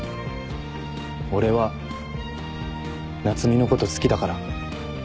俺は夏海のこと好きだから。